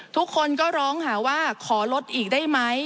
ทุกคนก็ร้องหาว่าขอลดอีกได้ไหม